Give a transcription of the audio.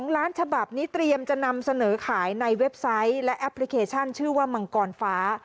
ล้านฉบับนี้เตรียมจะนำเสนอขายในเว็บไซต์และแอปพลิเคชันชื่อว่ามังกรฟ้า